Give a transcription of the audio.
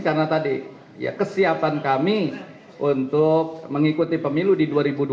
karena tadi kesiapan kami untuk mengikuti pemilu di dua ribu dua puluh empat